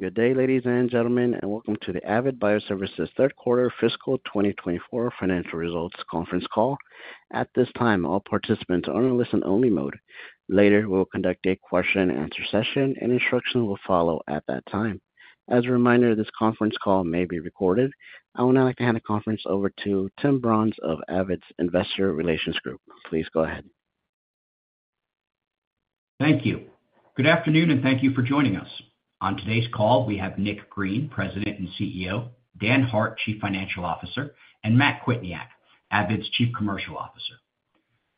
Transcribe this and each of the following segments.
Good day, ladies and gentlemen, and welcome to the Avid Bioservices Third quarter Fiscal 2024 Financial Results Conference Call. At this time, all participants are in listen only mode. Later, we'll conduct a question-and-answer session, and instruction will follow at that time. As a reminder, this conference call may be recorded. I would now like to hand the conference over to Tim Brons of Avid's Investor Relations Group. Please go ahead. Thank you. Good afternoon, and thank you for joining us. On today's call, we have Nick Green, President and CEO, Dan Hart, Chief Financial Officer, and Matt Kwietniak, Avid's Chief Commercial Officer.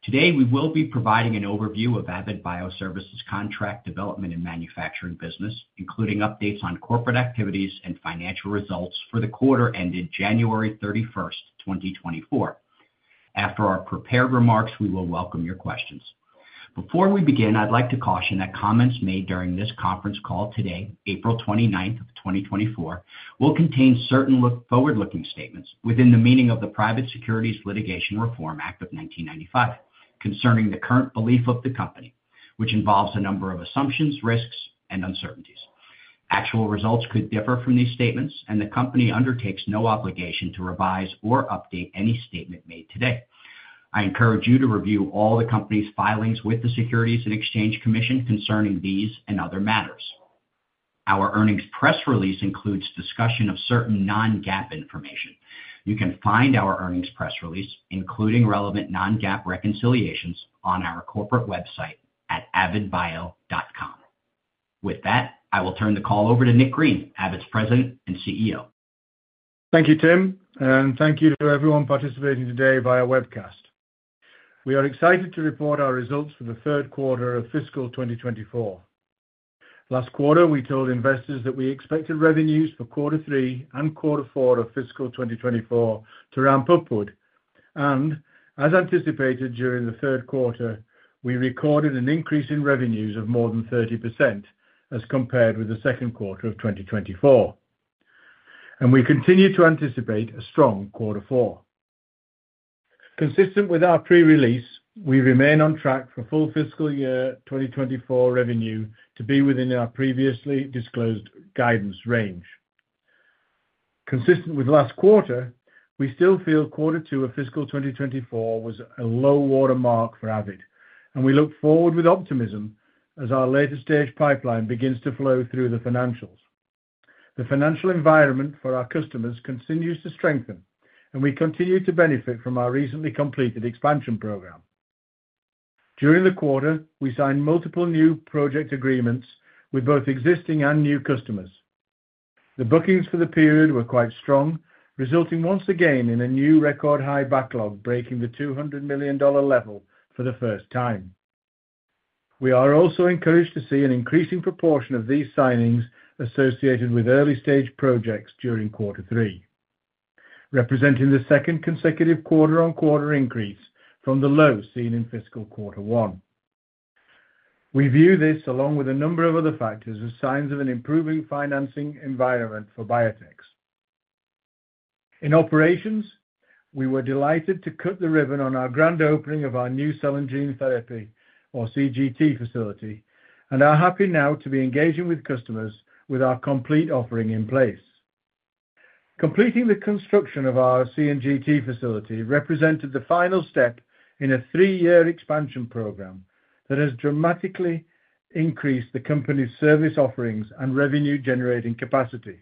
Today, we will be providing an overview of Avid Bioservices contract development and manufacturing business, including updates on corporate activities and financial results for the quarter ended January 31, 2024. After our prepared remarks, we will welcome your questions. Before we begin, I'd like to caution that comments made during this conference call today, April 29, 2024, will contain certain forward-looking statements within the meaning of the Private Securities Litigation Reform Act of 1995, concerning the current belief of the company, which involves a number of assumptions, risks, and uncertainties. Actual results could differ from these statements, and the company undertakes no obligation to revise or update any statement made today. I encourage you to review all the company's filings with the Securities and Exchange Commission concerning these and other matters. Our earnings press release includes discussion of certain non-GAAP information. You can find our earnings press release, including relevant non-GAAP reconciliations, on our corporate website at avidbio.com. With that, I will turn the call over to Nick Green, Avid's President and CEO. Thank you, Tim, and thank you to everyone participating today via webcast. We are excited to report our results for the third quarter of fiscal 2024. Last quarter, we told investors that we expected revenues for quarter three and quarter four of fiscal 2024 to ramp upward, and as anticipated during the third quarter, we recorded an increase in revenues of more than 30% as compared with the second quarter of 2024. We continue to anticipate a strong quarter four. Consistent with our pre-release, we remain on track for full fiscal year 2024 revenue to be within our previously disclosed guidance range. Consistent with last quarter, we still feel quarter two of fiscal 2024 was a low water mark for Avid, and we look forward with optimism as our later stage pipeline begins to flow through the financials. The financial environment for our customers continues to strengthen, and we continue to benefit from our recently completed expansion program. During the quarter, we signed multiple new project agreements with both existing and new customers. The bookings for the period were quite strong, resulting once again in a new record-high backlog, breaking the $200 million level for the first time. We are also encouraged to see an increasing proportion of these signings associated with early-stage projects during quarter three, representing the second consecutive quarter-on-quarter increase from the low seen in fiscal quarter one. We view this, along with a number of other factors, as signs of an improving financing environment for biotechs. In operations, we were delighted to cut the ribbon on our grand opening of our new Cell and Gene Therapy, or CGT, facility and are happy now to be engaging with customers with our complete offering in place. Completing the construction of our CGT facility represented the final step in a three-year expansion program that has dramatically increased the company's service offerings and revenue-generating capacity,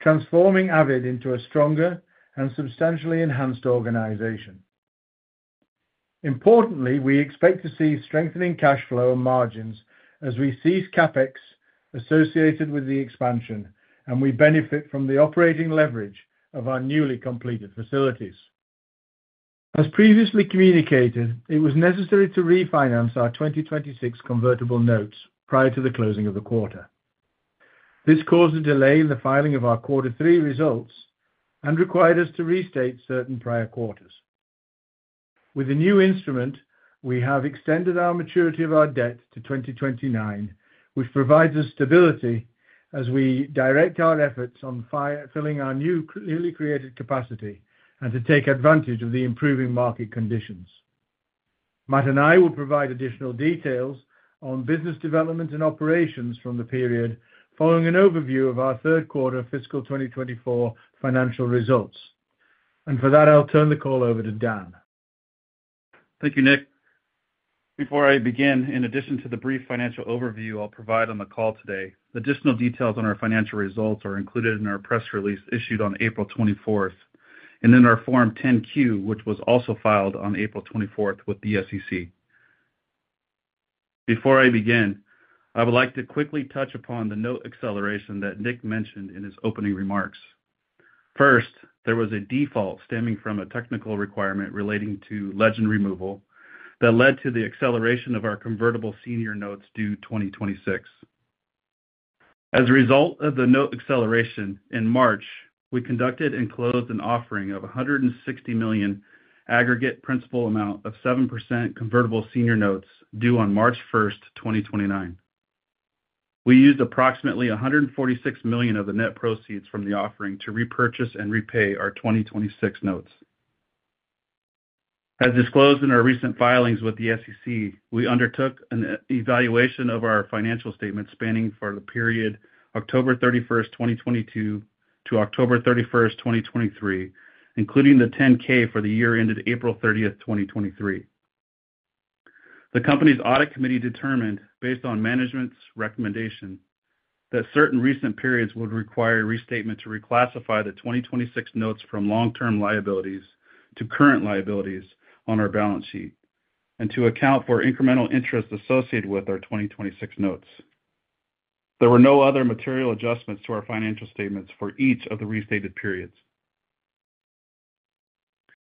transforming Avid into a stronger and substantially enhanced organization. Importantly, we expect to see strengthening cash flow and margins as we cease CapEx associated with the expansion, and we benefit from the operating leverage of our newly completed facilities. As previously communicated, it was necessary to refinance our 2026 convertible notes prior to the closing of the quarter. This caused a delay in the filing of our Q3 results and required us to restate certain prior quarters. With the new instrument, we have extended our maturity of our debt to 2029, which provides us stability as we direct our efforts on filling our new, newly created capacity and to take advantage of the improving market conditions. Matt and I will provide additional details on business development and operations from the period following an overview of our third quarter fiscal 2024 financial results. For that, I'll turn the call over to Dan. Thank you, Nick. Before I begin, in addition to the brief financial overview I'll provide on the call today, additional details on our financial results are included in our press release issued on April 24th and in our Form 10-Q, which was also filed on April 24th with the SEC. Before I begin, I would like to quickly touch upon the note acceleration that Nick mentioned in his opening remarks. First, there was a default stemming from a technical requirement relating to legend removal that led to the acceleration of our convertible senior notes due 2026. As a result of the note acceleration in March, we conducted and closed an offering of $160 million aggregate principal amount of 7% convertible senior notes due on March 1, 2029. We used approximately $146 million of the net proceeds from the offering to repurchase and repay our 2026 notes. As disclosed in our recent filings with the SEC, we undertook an evaluation of our financial statements spanning for the period October 31, 2022 to October 31, 2023, including the 10-K for the year ended April 30, 2023. The company's audit committee determined, based on management's recommendation, that certain recent periods would require restatement to reclassify the 2026 notes from long-term liabilities to current liabilities on our balance sheet, and to account for incremental interest associated with our 2026 notes. There were no other material adjustments to our financial statements for each of the restated periods.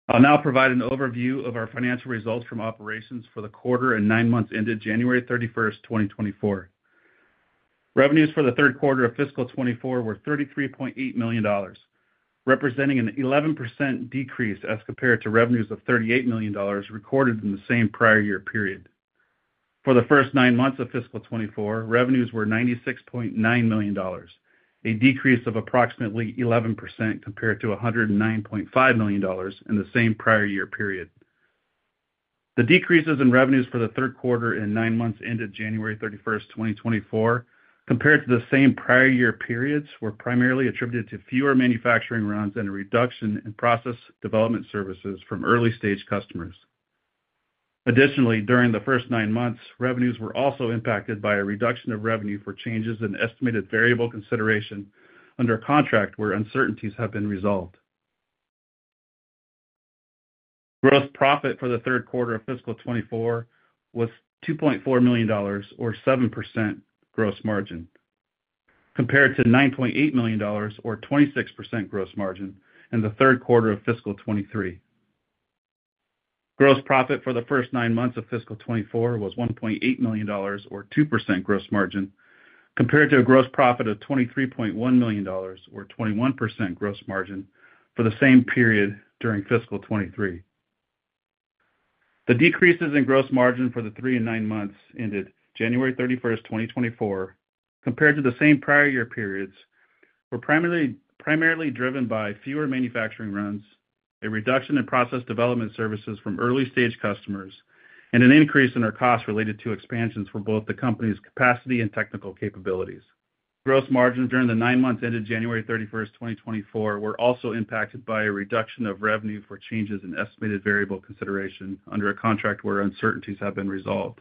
I'll now provide an overview of our financial results from operations for the quarter and nine months ended January 31, 2024. Revenues for the third quarter of fiscal 2024 were $33.8 million, representing an 11% decrease as compared to revenues of $38 million recorded in the same prior year period. For the first nine months of fiscal 2024, revenues were $96.9 million, a decrease of approximately 11% compared to $109.5 million in the same prior year period. The decreases in revenues for the third quarter and nine months ended January 31, 2024, compared to the same prior year periods, were primarily attributed to fewer manufacturing runs and a reduction in process development services from early-stage customers. Additionally, during the first nine months, revenues were also impacted by a reduction of revenue for changes in estimated variable consideration under a contract where uncertainties have been resolved. Gross profit for the third quarter of fiscal 2024 was $2.4 million or 7% gross margin, compared to $9.8 million or 26% gross margin in the third quarter of fiscal 2023. Gross profit for the first nine months of fiscal 2024 was $1.8 million or 2% gross margin, compared to a gross profit of $23.1 million or 21% gross margin for the same period during fiscal 2023. The decreases in gross margin for the three and nine months ended January 31, 2024, compared to the same prior year periods, were primarily driven by fewer manufacturing runs, a reduction in process development services from early-stage customers, and an increase in our costs related to expansions for both the company's capacity and technical capabilities. Gross margin during the nine months ended January 31, 2024, were also impacted by a reduction of revenue for changes in estimated variable consideration under a contract where uncertainties have been resolved,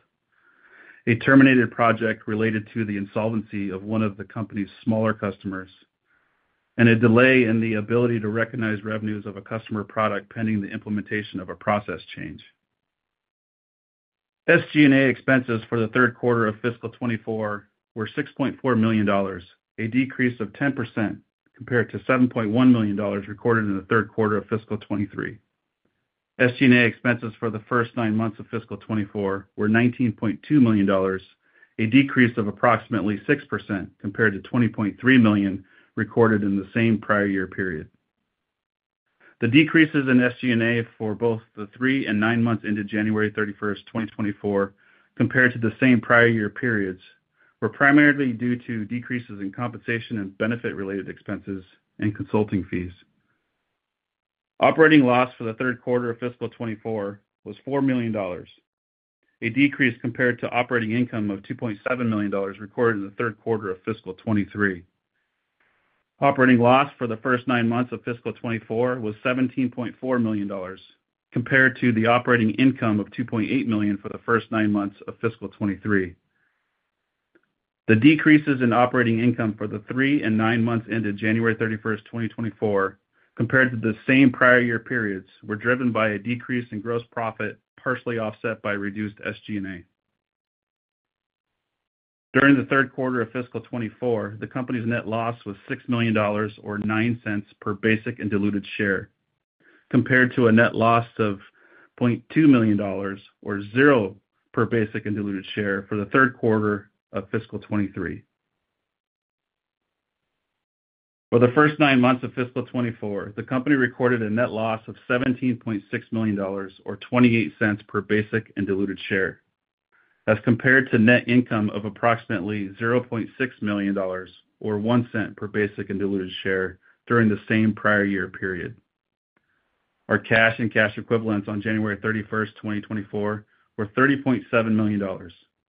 a terminated project related to the insolvency of one of the company's smaller customers, and a delay in the ability to recognize revenues of a customer product pending the implementation of a process change. SG&A expenses for the third quarter of fiscal 2024 were $6.4 million, a decrease of 10% compared to $7.1 million recorded in the third quarter of fiscal 2023. SG&A expenses for the first nine months of fiscal 2024 were $19.2 million, a decrease of approximately 6% compared to $20.3 million recorded in the same prior year period. The decreases in SG&A for both the three and nine months into January 31, 2024, compared to the same prior year periods, were primarily due to decreases in compensation and benefit-related expenses and consulting fees. Operating loss for the third quarter of fiscal 2024 was $4 million, a decrease compared to operating income of $2.7 million recorded in the third quarter of fiscal 2023. Operating loss for the first nine months of fiscal 2024 was $17.4 million, compared to the operating income of $2.8 million for the first nine months of fiscal 2023. The decreases in operating income for the nine and nine months ended January 31, 2024, compared to the same prior year periods, were driven by a decrease in gross profit, partially offset by reduced SG&A. During the third quarter of fiscal 2024, the company's net loss was $6 million or $0.09 per basic and diluted share, compared to a net loss of $0.2 million, or $0.00 per basic and diluted share for the third quarter of fiscal 2023. For the first nine months of fiscal 2024, the company recorded a net loss of $17.6 million, or $0.28 per basic and diluted share. As compared to net income of approximately $0.6 million, or $0.01 per basic and diluted share during the same prior year period. Our cash and cash equivalents on January 31, 2024, were $30.7 million,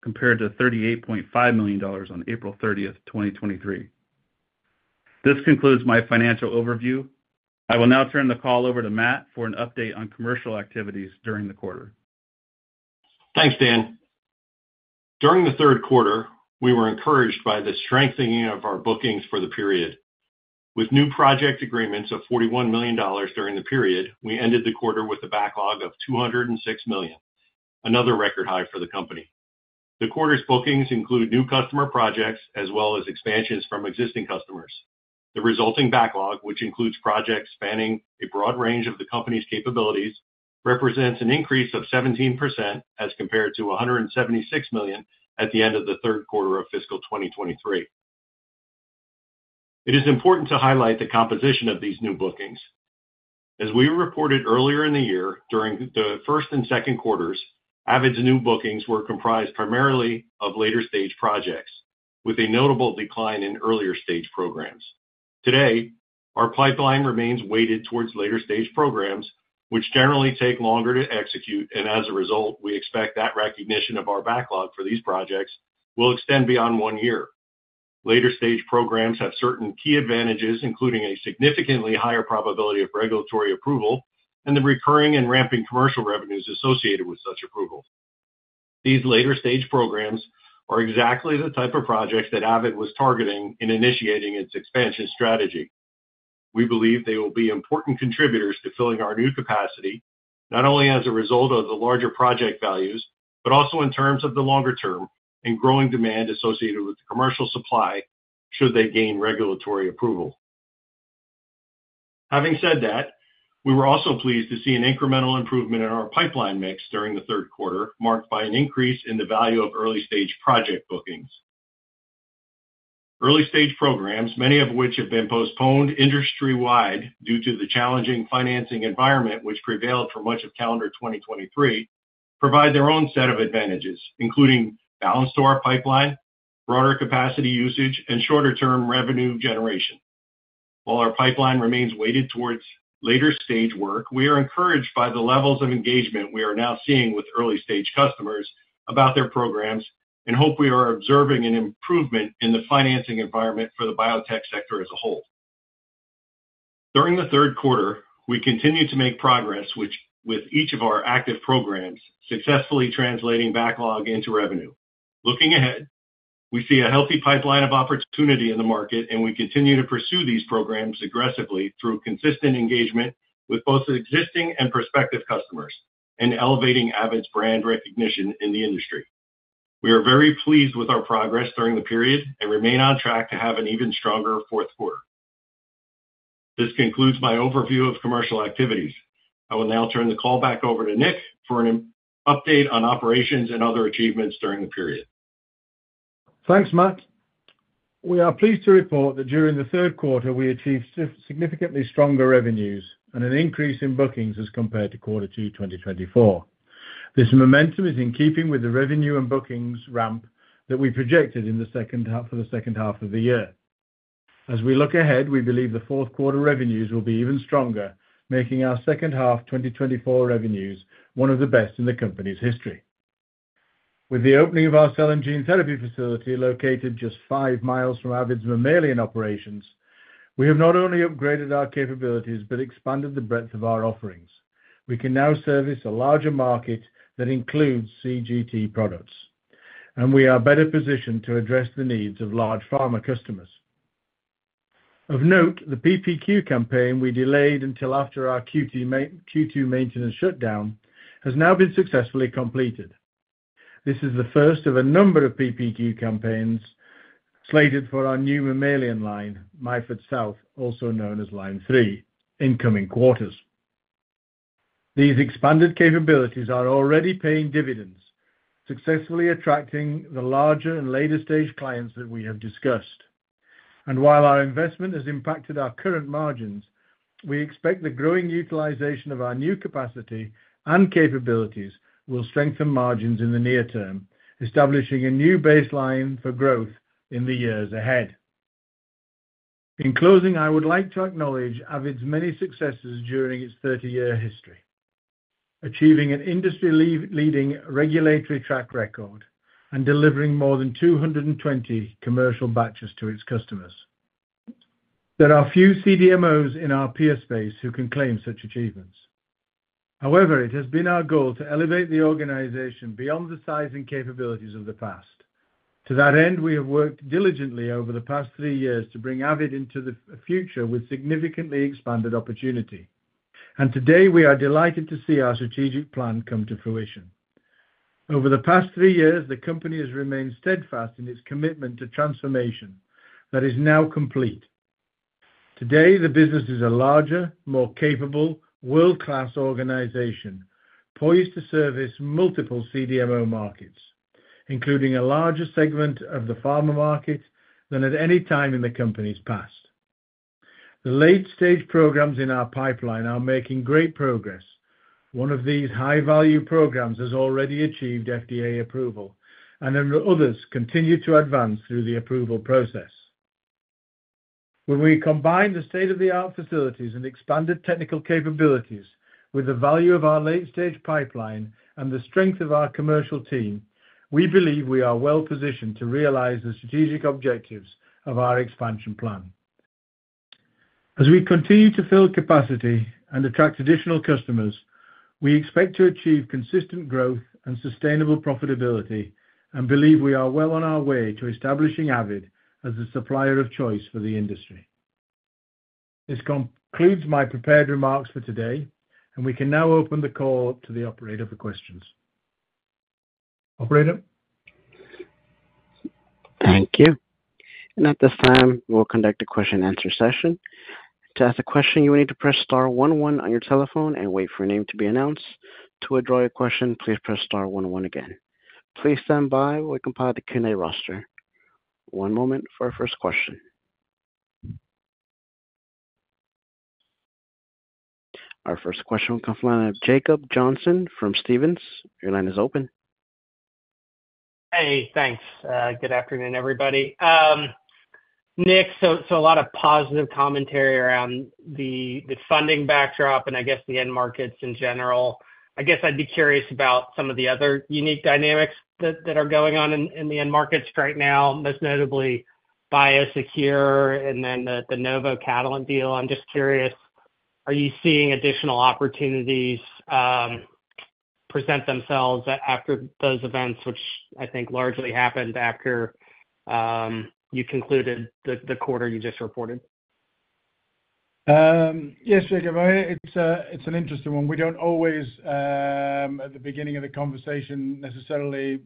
compared to $38.5 million on April 30, 2023. This concludes my financial overview. I will now turn the call over to Matt for an update on commercial activities during the quarter. Thanks, Dan. During the third quarter, we were encouraged by the strengthening of our bookings for the period. With new project agreements of $41 million during the period, we ended the quarter with a backlog of $206 million, another record high for the company. The quarter's bookings include new customer projects as well as expansions from existing customers. The resulting backlog, which includes projects spanning a broad range of the company's capabilities, represents an increase of 17% as compared to $176 million at the end of the third quarter of fiscal 2023. It is important to highlight the composition of these new bookings. As we reported earlier in the year, during the first and second quarters, Avid's new bookings were comprised primarily of later-stage projects, with a notable decline in earlier-stage programs. Today, our pipeline remains weighted towards later-stage programs, which generally take longer to execute, and as a result, we expect that recognition of our backlog for these projects will extend beyond one year. Later-stage programs have certain key advantages, including a significantly higher probability of regulatory approval and the recurring and ramping commercial revenues associated with such approval. These later-stage programs are exactly the type of projects that Avid was targeting in initiating its expansion strategy. We believe they will be important contributors to filling our new capacity, not only as a result of the larger project values, but also in terms of the longer term and growing demand associated with the commercial supply, should they gain regulatory approval. Having said that, we were also pleased to see an incremental improvement in our pipeline mix during the third quarter, marked by an increase in the value of early-stage project bookings. Early-stage programs, many of which have been postponed industry-wide due to the challenging financing environment, which prevailed for much of calendar 2023, provide their own set of advantages, including balance to our pipeline, broader capacity usage, and shorter-term revenue generation. While our pipeline remains weighted towards later-stage work, we are encouraged by the levels of engagement we are now seeing with early-stage customers about their programs and hope we are observing an improvement in the financing environment for the biotech sector as a whole. During the third quarter, we continued to make progress, which with each of our active programs, successfully translating backlog into revenue. Looking ahead, we see a healthy pipeline of opportunity in the market, and we continue to pursue these programs aggressively through consistent engagement with both existing and prospective customers and elevating Avid's brand recognition in the industry. We are very pleased with our progress during the period and remain on track to have an even stronger fourth quarter. This concludes my overview of commercial activities. I will now turn the call back over to Nick for an update on operations and other achievements during the period. Thanks, Matt. We are pleased to report that during the third quarter, we achieved significantly stronger revenues and an increase in bookings as compared to quarter 2 2024. This momentum is in keeping with the revenue and bookings ramp that we projected in the second half of the year. As we look ahead, we believe the fourth quarter revenues will be even stronger, making our second half 2024 revenues one of the best in the company's history. With the opening of our cell and gene therapy facility, located just five miles from Avid's mammalian operations, we have not only upgraded our capabilities but expanded the breadth of our offerings. We can now service a larger market that includes CGT products, and we are better positioned to address the needs of large pharma customers. Of note, the PPQ campaign we delayed until after our Q2 maintenance shutdown has now been successfully completed. This is the first of a number of PPQ campaigns slated for our new mammalian line, Myford South, also known as Line Three, in coming quarters. These expanded capabilities are already paying dividends, successfully attracting the larger and later-stage clients that we have discussed. And while our investment has impacted our current margins, we expect the growing utilization of our new capacity and capabilities will strengthen margins in the near term, establishing a new baseline for growth in the years ahead. In closing, I would like to acknowledge Avid's many successes during its 30-year history, achieving an industry-leading regulatory track record and delivering more than 220 commercial batches to its customers. There are few CDMOs in our peer space who can claim such achievements. However, it has been our goal to elevate the organization beyond the size and capabilities of the past. To that end, we have worked diligently over the past three years to bring Avid into the future with significantly expanded opportunity. And today, we are delighted to see our strategic plan come to fruition. Over the past three years, the company has remained steadfast in its commitment to transformation that is now complete. Today, the business is a larger, more capable, world-class organization, poised to service multiple CDMO markets, including a larger segment of the pharma market than at any time in the company's past. The late-stage programs in our pipeline are making great progress. One of these high-value programs has already achieved FDA approval, and then the others continue to advance through the approval process. When we combine the state-of-the-art facilities and expanded technical capabilities with the value of our late-stage pipeline and the strength of our commercial team, we believe we are well-positioned to realize the strategic objectives of our expansion plan. As we continue to build capacity and attract additional customers, we expect to achieve consistent growth and sustainable profitability and believe we are well on our way to establishing Avid as a supplier of choice for the industry. This concludes my prepared remarks for today, and we can now open the call to the operator for questions. Operator? Thank you. And at this time, we'll conduct a question-and-answer session. To ask a question, you will need to press star one, one on your telephone and wait for your name to be announced. To withdraw your question, please press star one, one again. Please stand by while we compile the Q&A roster. One moment for our first question. Our first question will come from the line of Jacob Johnson from Stephens. Your line is open. Hey, thanks. Good afternoon, everybody. Nick, so, so a lot of positive commentary around the, the funding backdrop, and I guess the end markets in general. I guess I'd be curious about some of the other unique dynamics that, that are going on in, in the end markets right now, most notably BioSecure and then the, the Novo-Catalent deal. I'm just curious, are you seeing additional opportunities, present themselves after those events, which I think largely happened after, you concluded the, the quarter you just reported? Yes, Jacob, it's an interesting one. We don't always, at the beginning of the conversation, necessarily,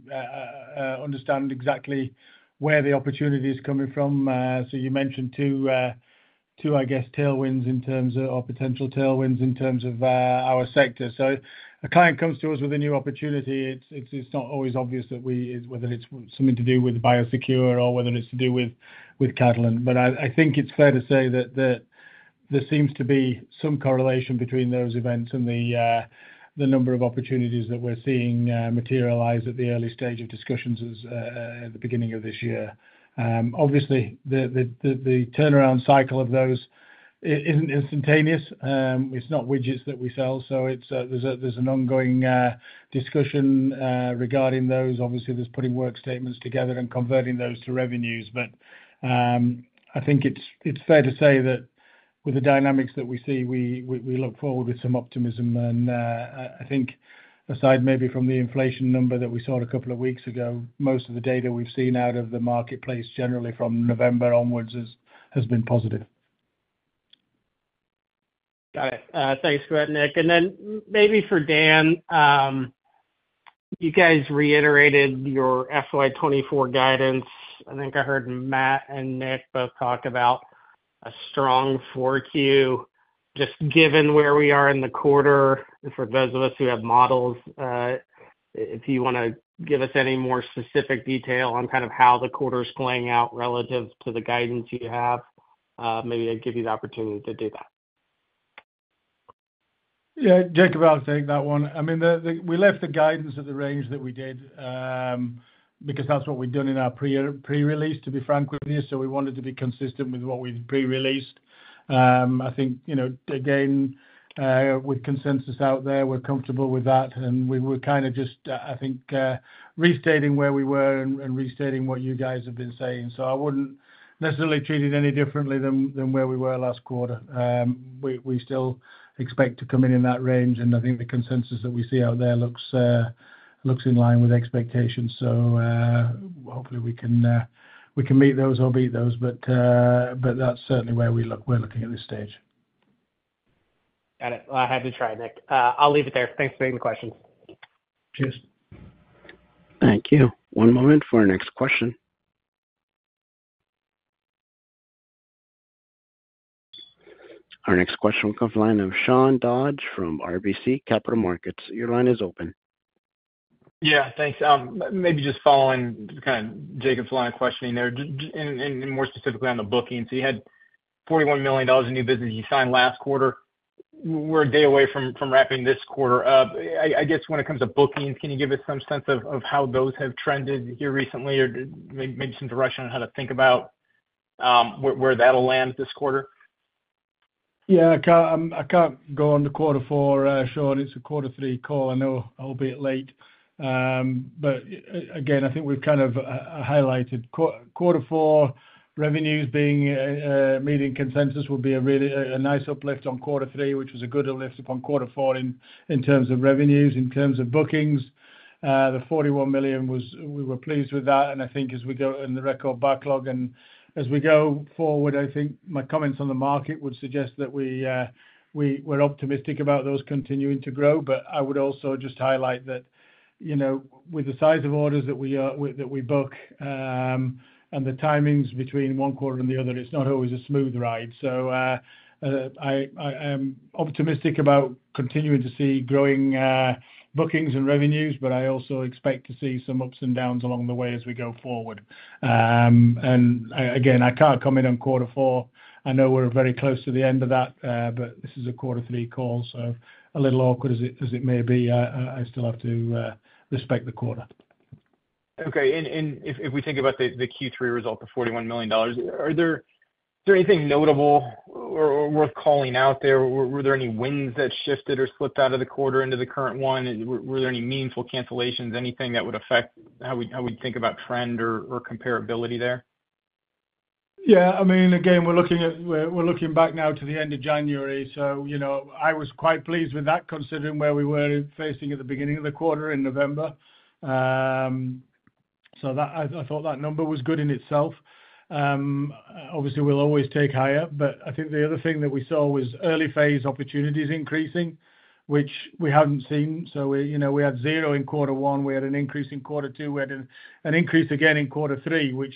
understand exactly where the opportunity is coming from. So you mentioned two, I guess, tailwinds in terms of or potential tailwinds in terms of, our sector. So a client comes to us with a new opportunity, it's not always obvious that we—whether it's something to do with BioSecure or whether it's to do with, with Catalent. But I think it's fair to say that there seems to be some correlation between those events and the, the number of opportunities that we're seeing, materialize at the early stage of discussions as, at the beginning of this year. Obviously, the turnaround cycle of those isn't instantaneous. It's not widgets that we sell, so it's, there's an ongoing discussion regarding those. Obviously, there's putting work statements together and converting those to revenues. But, I think it's fair to say that with the dynamics that we see, we look forward with some optimism. And, I think aside maybe from the inflation number that we saw a couple of weeks ago, most of the data we've seen out of the marketplace, generally from November onwards, has been positive. Got it. Thanks for that, Nick. And then maybe for Dan, you guys reiterated your FY 2024 guidance. I think I heard Matt and Nick both talk about a strong 4Q. Just given where we are in the quarter, and for those of us who have models, if you wanna give us any more specific detail on kind of how the quarter is playing out relative to the guidance you have, maybe I'd give you the opportunity to do that. Yeah, Jacob, I'll take that one. I mean, the—we left the guidance at the range that we did, because that's what we'd done in our pre-release, to be frank with you. So we wanted to be consistent with what we've pre-released. I think, you know, again, with consensus out there, we're comfortable with that, and we were kind of just, I think, restating where we were and restating what you guys have been saying. So I wouldn't necessarily treat it any differently than where we were last quarter. We still expect to come in that range, and I think the consensus that we see out there looks in line with expectations. So, hopefully we can, we can meet those or beat those, but, but that's certainly where we look, we're looking at this stage. Got it. I had to try, Nick. I'll leave it there. Thanks for taking the question. Cheers. Thank you. One moment for our next question. Our next question comes from the line of Sean Dodge from RBC Capital Markets. Your line is open. Yeah, thanks. Maybe just following kind of Jacob's line of questioning there, and more specifically on the bookings. You had $41 million in new business you signed last quarter. We're a day away from wrapping this quarter up. I guess when it comes to bookings, can you give us some sense of how those have trended here recently or maybe some direction on how to think about where that'll land this quarter? Yeah, I can't, I can't go on the quarter four, Sean. It's a quarter three call. I know I'll be late. But again, I think we've kind of highlighted quarter four revenues being meeting consensus will be really a nice uplift on quarter three, which was a good uplift upon quarter four in terms of revenues. In terms of bookings, the $41 million was. We were pleased with that, and I think as we go in the record backlog and as we go forward, I think my comments on the market would suggest that we, we're optimistic about those continuing to grow. But I would also just highlight that, you know, with the size of orders that we book, and the timings between one quarter and the other, it's not always a smooth ride. So, I'm optimistic about continuing to see growing bookings and revenues, but I also expect to see some ups and downs along the way as we go forward. And again, I can't comment on quarter four. I know we're very close to the end of that, but this is a quarter three call, so a little awkward as it may be, I still have to respect the quarter. Okay. And if we think about the Q3 result, the $41 million, is there anything notable or worth calling out there? Were there any wins that shifted or slipped out of the quarter into the current one? And were there any meaningful cancellations, anything that would affect how we think about trend or comparability there? Yeah, I mean, again, we're looking back now to the end of January. So, you know, I was quite pleased with that, considering where we were facing at the beginning of the quarter in November. So that, I thought that number was good in itself. Obviously, we'll always take higher, but I think the other thing that we saw was early phase opportunities increasing, which we haven't seen. So we, you know, we had zero in quarter one, we had an increase in quarter two, we had an increase again in quarter three, which,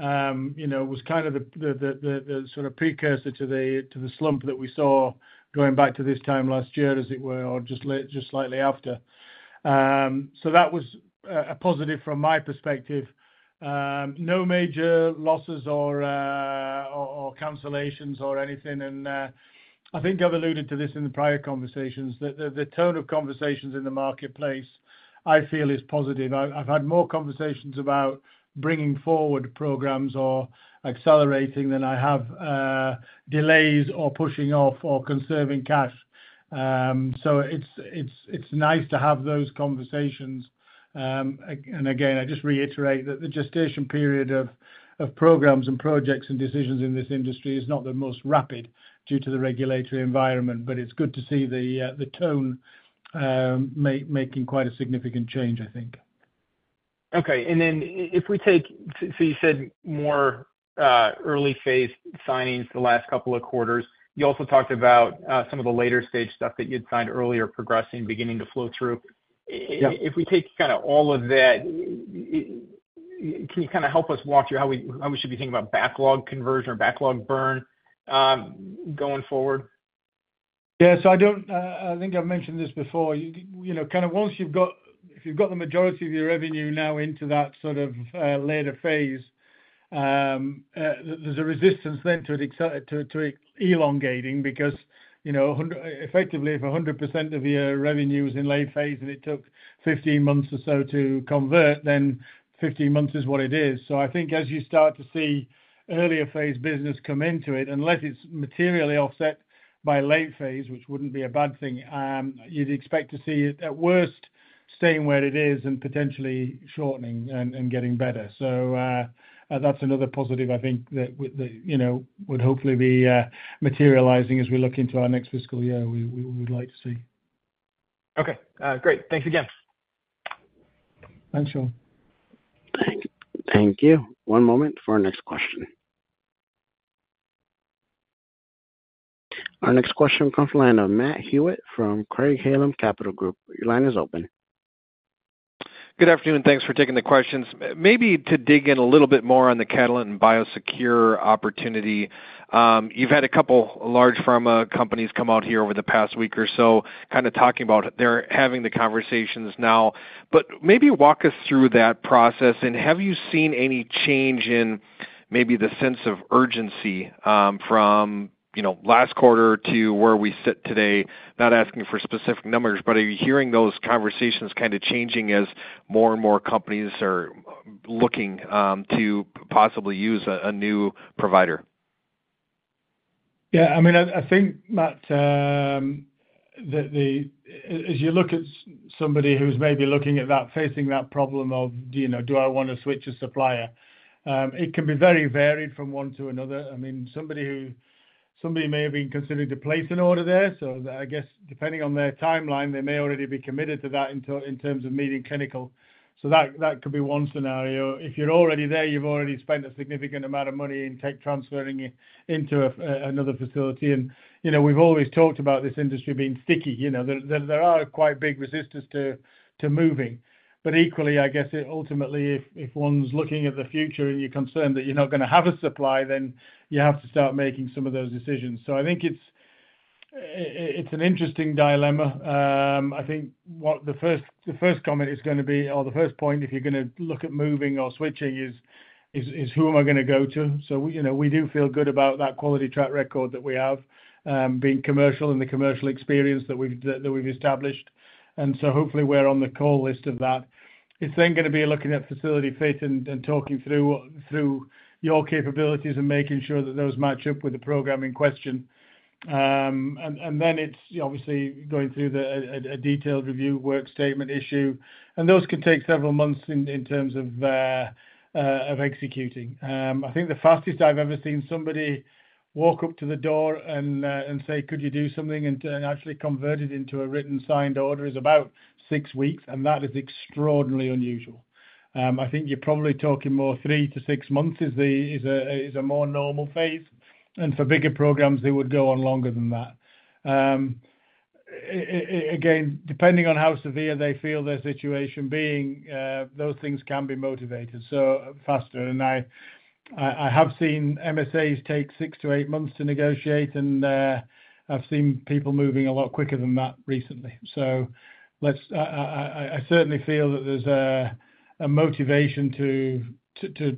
you know, was kind of the sort of precursor to the slump that we saw going back to this time last year, as it were, or just slightly after. So that was a positive from my perspective. No major losses or cancellations or anything. I think I've alluded to this in the prior conversations, that the tone of conversations in the marketplace, I feel, is positive. I've had more conversations about bringing forward programs or accelerating than I have delays or pushing off or conserving cash. So it's nice to have those conversations. And again, I just reiterate that the gestation period of programs and projects and decisions in this industry is not the most rapid due to the regulatory environment, but it's good to see the tone making quite a significant change, I think. Okay. And then if we take so, so you said more early phase signings the last couple of quarters. You also talked about some of the later stage stuff that you'd signed earlier progressing, beginning to flow through. Yeah. If we take kinda all of that, can you kind of help us walk through how we, how we should be thinking about backlog conversion or backlog burn, going forward? Yeah, so I don't think I've mentioned this before. You know, kind of once you've got if you've got the majority of your revenue now into that sort of later phase, there's a resistance then to elongating because, you know, effectively, if 100% of your revenue is in late phase, and it took 15 months or so to convert, then 15 months is what it is. So I think as you start to see earlier phase business come into it, unless it's materially offset by late phase, which wouldn't be a bad thing, you'd expect to see it, at worst, staying where it is and potentially shortening and getting better. So, that's another positive, I think, that, you know, would hopefully be materializing as we look into our next fiscal year. We would like to see. Okay, great. Thanks again. Thanks, Sean. Thank you. One moment for our next question. Our next question comes from the line of Matt Hewitt from Craig-Hallum Capital Group. Your line is open. Good afternoon, thanks for taking the questions. Maybe to dig in a little bit more on the Catalent and BioSecure opportunity. You've had a couple large pharma companies come out here over the past week or so, kind of talking about they're having the conversations now. Maybe walk us through that process, and have you seen any change in maybe the sense of urgency from, you know, last quarter to where we sit today? Not asking for specific numbers, but are you hearing those conversations kind of changing as more and more companies are looking to possibly use a new provider? Yeah, I mean, I think, Matt, that as you look at somebody who's maybe looking at that, facing that problem of, you know, do I want to switch a supplier? It can be very varied from one to another. I mean, somebody who, somebody may have been considering to place an order there, so I guess depending on their timeline, they may already be committed to that in terms of meeting clinical. So that could be one scenario. If you're already there, you've already spent a significant amount of money in tech transferring it into another facility. And, you know, we've always talked about this industry being sticky. You know, there are quite big resistors to moving. But equally, I guess, ultimately, if one's looking at the future and you're concerned that you're not gonna have a supply, then you have to start making some of those decisions. So I think it's an interesting dilemma. I think what the first comment is gonna be, or the first point if you're gonna look at moving or switching is who am I gonna go to? So we, you know, we do feel good about that quality track record that we have, being commercial and the commercial experience that we've established. And so hopefully we're on the call list of that. It's then gonna be looking at facility fit and talking through your capabilities and making sure that those match up with the program in question. And, and then it's obviously going through the, a, a detailed review work statement issue, and those can take several months in, in terms of, of executing. I think the fastest I've ever seen somebody walk up to the door and, and say: "Could you do something?" And, and actually convert it into a written, signed order, is about six weeks, and that is extraordinarily unusual. I think you're probably talking more three-six months is the, is a, is a more normal phase, and for bigger programs, they would go on longer than that. Again, depending on how severe they feel their situation being, those things can be motivated, so faster than I, I have seen MSAs take six-eight months to negotiate, and, I've seen people moving a lot quicker than that recently. So let's, I certainly feel that there's a motivation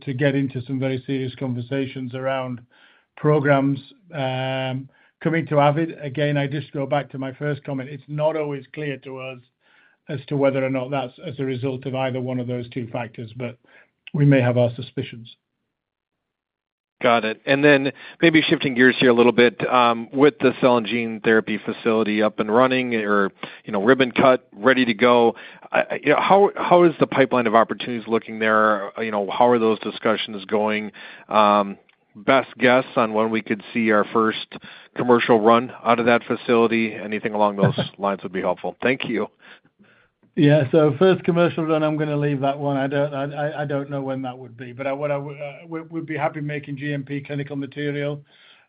to get into some very serious conversations around programs coming to Avid. Again, I just go back to my first comment. It's not always clear to us as to whether or not that's as a result of either one of those two factors, but we may have our suspicions. Got it. And then maybe shifting gears here a little bit, with the cell and gene therapy facility up and running or, you know, ribbon cut, ready to go, you know, how is the pipeline of opportunities looking there? You know, how are those discussions going? Best guess on when we could see our first commercial run out of that facility? Anything along those lines would be helpful. Thank you. Yeah, so first commercial run, I'm gonna leave that one. I don't know when that would be, but we'd be happy making GMP clinical material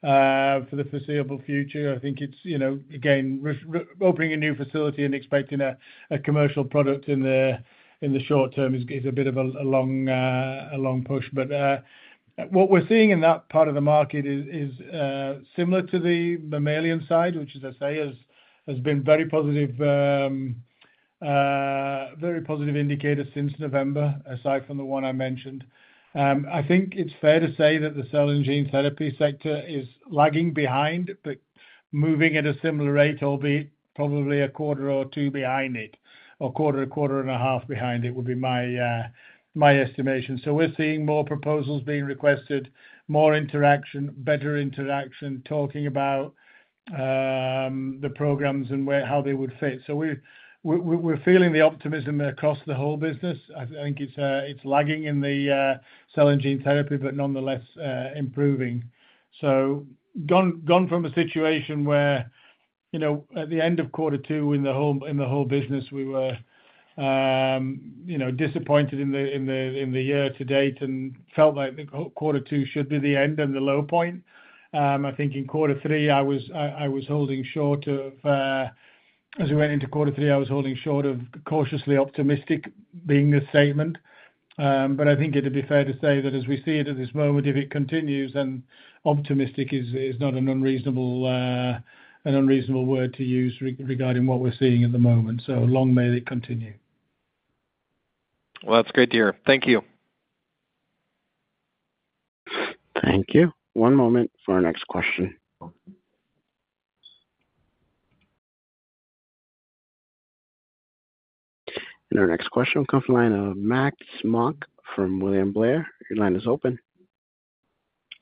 for the foreseeable future. I think it's, you know, again, reopening a new facility and expecting a commercial product in the short term is a bit of a long push. But what we're seeing in that part of the market is similar to the mammalian side, which, as I say, has been very positive indicator since November, aside from the one I mentioned. I think it's fair to say that the Cell and Gene Therapy sector is lagging behind, but moving at a similar rate, albeit probably a quarter or two behind it, or quarter, a quarter and a half behind it, would be my estimation. So we're seeing more proposals being requested, more interaction, better interaction, talking about the programs and where, how they would fit. So we're feeling the optimism across the whole business. I think it's lagging in the Cell and Gene Therapy, but nonetheless, improving. So gone from a situation where, you know, at the end of quarter two in the whole business, we were, you know, disappointed in the year to date and felt like the quarter two should be the end and the low point. I think in quarter three, as we went into quarter three, I was holding short of cautiously optimistic being the statement. But I think it'd be fair to say that as we see it at this moment, if it continues, then optimistic is not an unreasonable word to use regarding what we're seeing at the moment. So long may it continue. Well, that's great to hear. Thank you. Thank you. One moment for our next question. Our next question will come from the line of Max Smock from William Blair. Your line is open.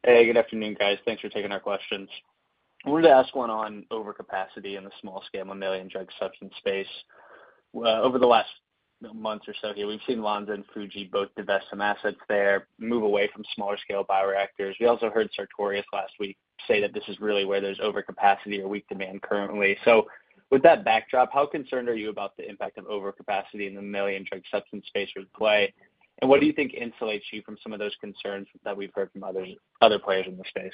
Hey, good afternoon, guys. Thanks for taking our questions. I wanted to ask one on overcapacity in the small-scale mammalian drug substance space. Over the last month or so here, we've seen Lonza and Fuji both divest some assets there, move away from smaller scale bioreactors. We also heard Sartorius last week say that this is really where there's overcapacity or weak demand currently. So with that backdrop, how concerned are you about the impact of overcapacity in the mammalian drug substance space with play? And what do you think insulates you from some of those concerns that we've heard from other, other players in the space?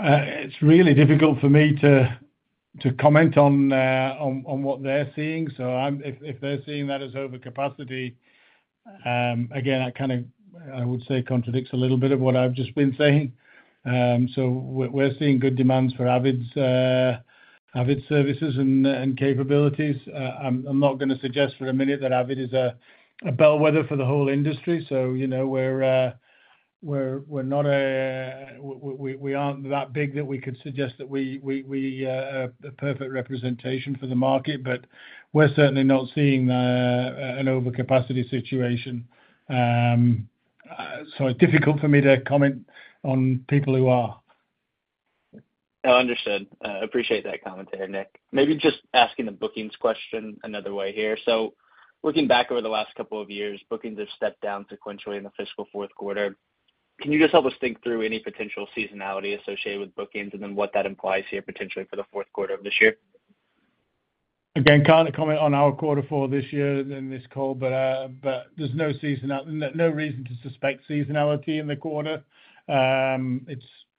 It's really difficult for me to comment on what they're seeing. So if they're seeing that as overcapacity, again, I kind of would say it contradicts a little bit of what I've just been saying. So we're seeing good demands for Avid's Avid services and capabilities. I'm not going to suggest for a minute that Avid is a bellwether for the whole industry. So, you know, we're not a, we aren't that big that we could suggest that we are a perfect representation for the market, but we're certainly not seeing an overcapacity situation. So it's difficult for me to comment on people who are. No, understood. Appreciate that commentary, Nick. Maybe just asking the bookings question another way here. So looking back over the last couple of years, bookings have stepped down sequentially in the fiscal fourth quarter. Can you just help us think through any potential seasonality associated with bookings and then what that implies here, potentially for the fourth quarter of this year? Again, can't comment on our quarter four this year in this call, but there's no reason to suspect seasonality in the quarter. There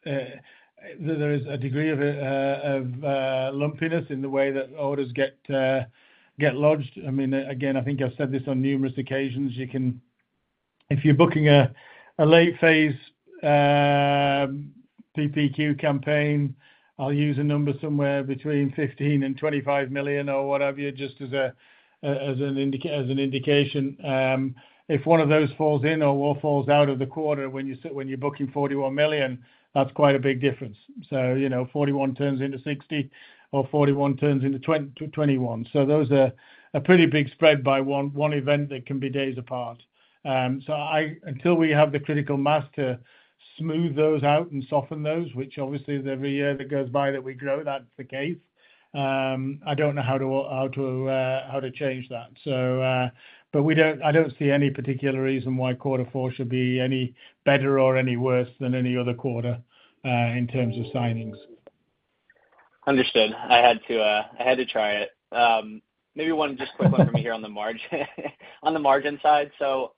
is a degree of lumpiness in the way that orders get lodged. I mean, again, I think I've said this on numerous occasions, if you're booking a late phase PPQ campaign, I'll use a number somewhere between $15-$25 million or whatever, just as an indication. If one of those falls in or falls out of the quarter, when you're booking $41 million, that's quite a big difference. So, you know, $41 million turns into $60 million or $41 million turns into $21 million. So those are a pretty big spread by one event that can be days apart. So, until we have the critical mass to smooth those out and soften those, which obviously is every year that goes by that we grow, that's the case. I don't know how to change that. So, I don't see any particular reason why quarter four should be any better or any worse than any other quarter in terms of signings. Understood. I had to try it. Maybe one just quick one for me here on the margin, on the margin side. So,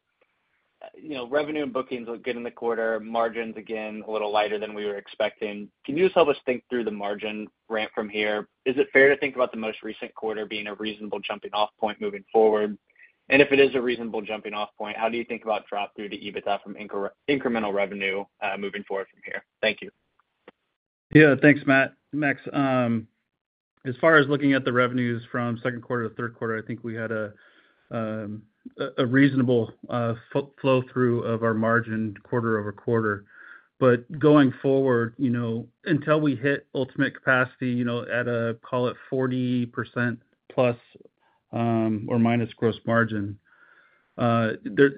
you know, revenue and bookings look good in the quarter. Margins, again, a little lighter than we were expecting. Can you just help us think through the margin ramp from here? Is it fair to think about the most recent quarter being a reasonable jumping off point moving forward? And if it is a reasonable jumping off point, how do you think about drop through to EBITDA from incremental revenue, moving forward from here? Thank you. Yeah, thanks, Matt, Max. As far as looking at the revenues from second quarter to third quarter, I think we had a reasonable flow through of our margin quarter-over-quarter. But going forward, you know, until we hit ultimate capacity, you know, at a call it 40% plus or minus gross margin, there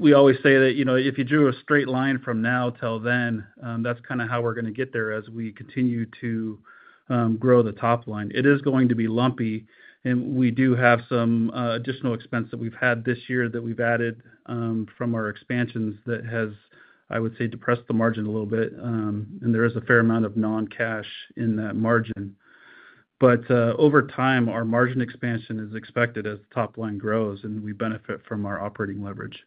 we always say that, you know, if you drew a straight line from now till then, that's kind of how we're going to get there as we continue to grow the top line. It is going to be lumpy, and we do have some additional expense that we've had this year that we've added from our expansions that has, I would say, depressed the margin a little bit. And there is a fair amount of non-cash in that margin. Over time, our margin expansion is expected as the top line grows, and we benefit from our operating leverage.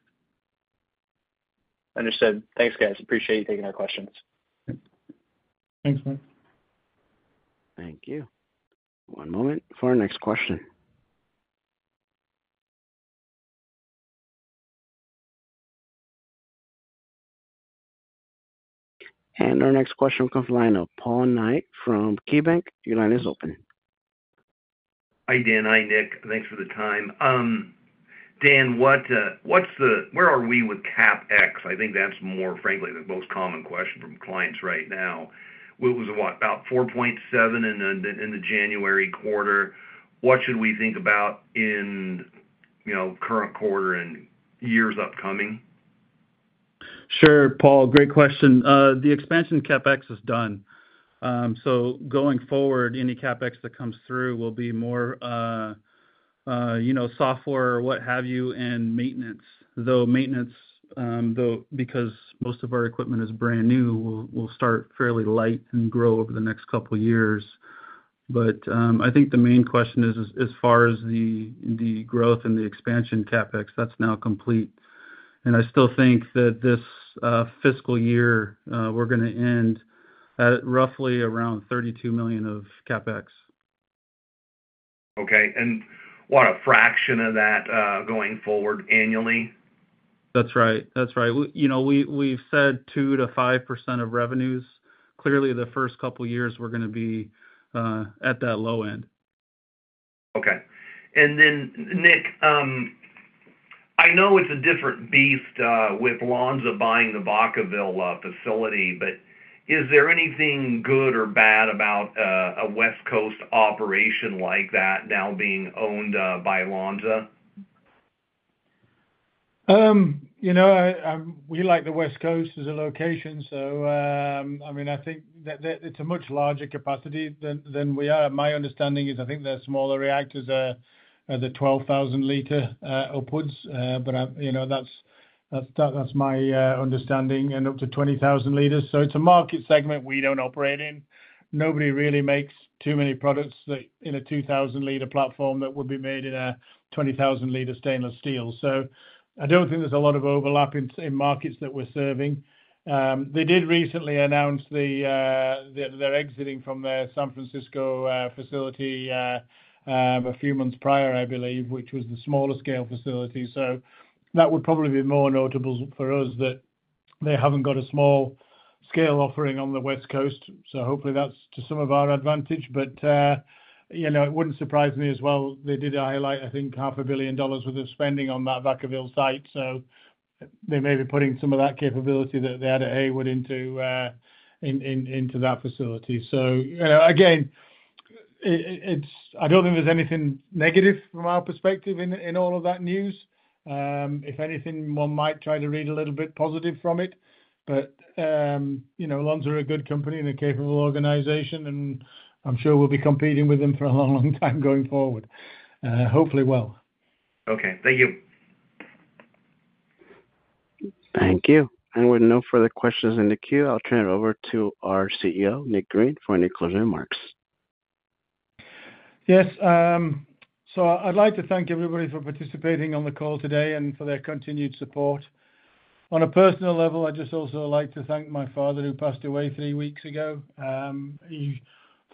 Understood. Thanks, guys. Appreciate you taking our questions. Thanks, Max. Thank you. One moment for our next question. Our next question will come from the line of Paul Knight from KeyBanc. Your line is open. Hi, Dan. Hi, Nick. Thanks for the time. Dan, what's the, where are we with CapEx? I think that's more, frankly, the most common question from clients right now. What was it? About $4.7 in the January quarter. What should we think about in, you know, current quarter and years upcoming? Sure, Paul, great question. The expansion CapEx is done. So going forward, any CapEx that comes through will be more, you know, software or what have you, and maintenance. Though maintenance, though, because most of our equipment is brand new, will start fairly light and grow over the next couple of years. But I think the main question is, as far as the growth and the expansion CapEx, that's now complete. And I still think that this fiscal year, we're gonna end at roughly around $32 million of CapEx. Okay. And what, a fraction of that, going forward annually? That's right. That's right. You know, we, we've said 2%-5% of revenues. Clearly, the first couple of years we're gonna be at that low end. Okay. And then, Nick, I know it's a different beast, with Lonza buying the Vacaville facility, but is there anything good or bad about a West Coast operation like that now being owned by Lonza? You know, I, we like the West Coast as a location, so, I mean, I think that it's a much larger capacity than we are. My understanding is I think their smaller reactors are the 12,000-liter upwards. But you know, that's my understanding, and up to 20,000 liters. So it's a market segment we don't operate in. Nobody really makes too many products that, in a 2,000-liter platform that would be made in a 20,000-liter stainless steel. So I don't think there's a lot of overlap in markets that we're serving. They did recently announce that they're exiting from their San Francisco facility a few months prior, I believe, which was the smaller scale facility. So that would probably be more notable for us, that they haven't got a small scale offering on the West Coast, so hopefully that's to some of our advantage. But, you know, it wouldn't surprise me as well. They did highlight, I think, $500 million worth of spending on that Vacaville site, so they may be putting some of that capability that they had at Hayward into that facility. So, again, it's I don't think there's anything negative from our perspective in all of that news. If anything, one might try to read a little bit positive from it. But, you know, Lonza are a good company and a capable organization, and I'm sure we'll be competing with them for a long, long time going forward, hopefully well. Okay. Thank you. Thank you. With no further questions in the queue, I'll turn it over to our CEO, Nick Green, for any closing remarks. Yes, so I'd like to thank everybody for participating on the call today and for their continued support. On a personal level, I'd just also like to thank my father, who passed away three weeks ago. He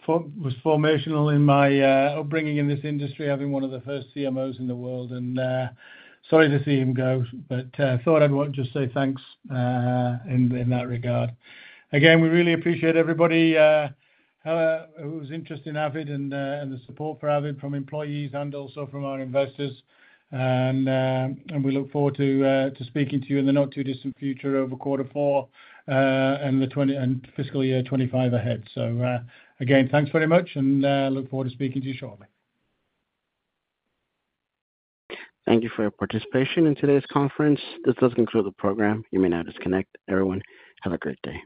was formative in my upbringing in this industry, having one of the first CMOs in the world, and sorry to see him go, but thought I'd want to just say thanks in that regard. Again, we really appreciate everybody whose interest in Avid and the support for Avid from employees and also from our investors. And we look forward to speaking to you in the not-too-distant future over quarter four and fiscal year 2025 ahead. So, again, thanks very much, and look forward to speaking to you shortly. Thank you for your participation in today's conference. This does conclude the program. You may now disconnect. Everyone, have a great day.